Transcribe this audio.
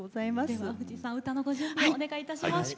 では藤さん歌のご準備をお願いいたします。